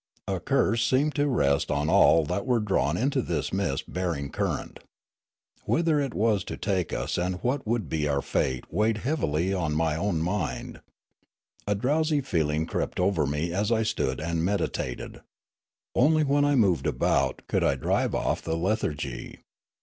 A curse seemed to rest on all that were drawn into this mist bearing cur rent. Whither it was to take us and what would be our fate weighed heavil}' on mj^ own mind. A drowsy feeling crept over me as I stood and meditated; only when I moved about could I drive off the lethargy.